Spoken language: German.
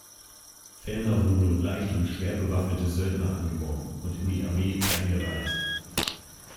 Ferner wurden nun leicht- und schwerbewaffnete Söldner angeworben und in die Armee eingereiht.